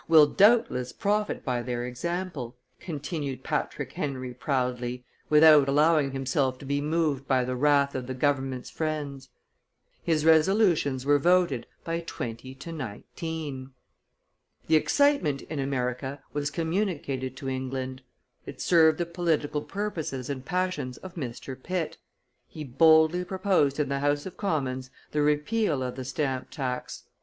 "will doubtless profit by their example," continued Patrick Henry proudly, without allowing himself to be moved by the wrath of the government's friends. His resolutions were voted by 20 to 19. The excitement in America was communicated to England; it served the political purposes and passions of Mr. Pitt; he boldly proposed in the House of Commons the repeal of the stamp tax.